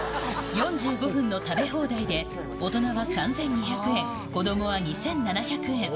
４５分の食べ放題で、大人は３２００円、子どもは２７００円。